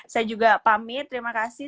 saya juga pamit terima kasih